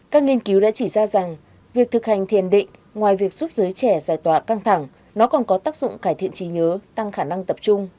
các nghiên cứu đã chỉ ra rằng việc thực hành thiền định ngoài việc giúp giới trẻ giải tỏa căng thẳng nó còn có tác dụng cải thiện trí nhớ tăng khả năng tập trung